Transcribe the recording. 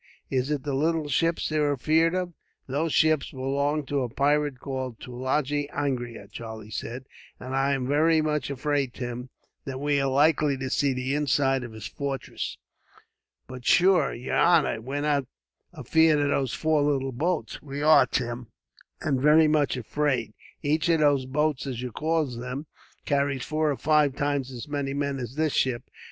Is it the little ships they're afeared of?" "Those ships belong to a pirate called Tulagi Angria," Charlie said, "and I am very much afraid, Tim, that we are likely to see the inside of his fortress." "But shure, yer honor, we're not afeared of those four little boats." "We are, Tim, and very much afraid, too. Each of those boats, as you call them, carries four or five times as many men as this ship.